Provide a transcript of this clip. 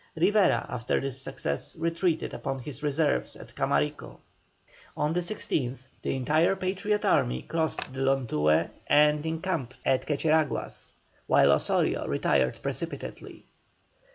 Rivera after this success retreated upon his reserves at Camarico. On the 16th, the entire Patriot army crossed the Lontué and encamped at Quecheraguas, while Osorio retired precipitately.